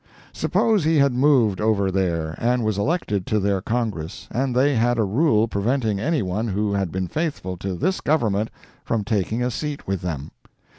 Suppose he had moved over there, and was elected to their Congress, and they had a rule preventing any one who had been faithful to this Government from taking a seat with them.